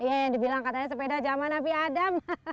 iya yang dibilang katanya sepeda zaman nabi adam